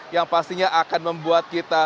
yang pastinya akan membuat kita